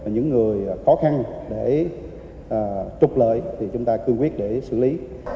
những người khó khăn để trục lợi thì chúng ta cương quyết để xử lý